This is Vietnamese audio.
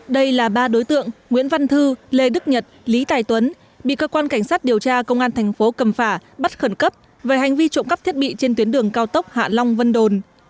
đây là ba đối tượng nguyễn văn thư lê đức nhật lý tài tuấn bị cơ quan cảnh sát điều tra công an thành phố cầm phả bắt khẩn cấp về hành vi trộm cắp thiết bị trên tuyến đường cao tốc hạ long vân đồn